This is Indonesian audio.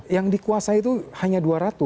yang dikuasai itu hanya dua ratus